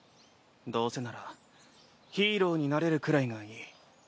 どうせならヒーローになれるくらいがいい。